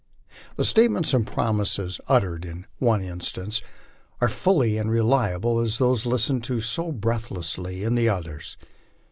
The statements and promises ut tered in the one instance are fully as reliable as those listened to so breath lessly in the others.